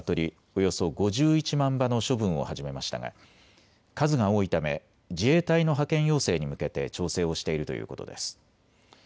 およそ５１万羽の処分を始めましたが、数が多いため自衛隊の派遣要請に向けて調整をしているということです。